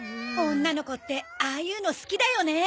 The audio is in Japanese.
女の子ってああいうの好きだよね。